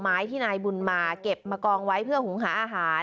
ไม้ที่นายบุญมาเก็บมากองไว้เพื่อหุงหาอาหาร